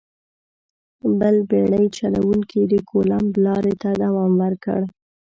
بل بېړۍ چلوونکي د کولمب لارې ته دوام ورکړ.